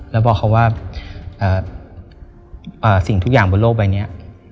แล้วบอกเขาว่าสิ่งทุกอย่างบนโลกใบนี้